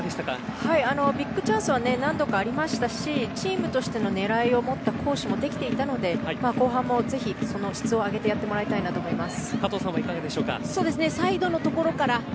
ビッグチャンスは何度かありましたしチームとしての狙いを持った攻守もできていたので後半もぜひその質を上げてやってもらいたいと思います。